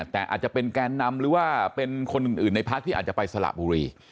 แต่อาจจะเป็นแกนนำหรือว่าเป็นคนอื่นในพักที่อาจจะไปสละบุรี